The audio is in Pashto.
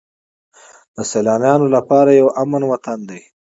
د سیلانیانو لپاره یو امن وطن دی.